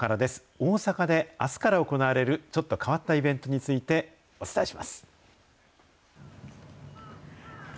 大阪であすから行われるちょっと変わったイベントについて、お伝えします。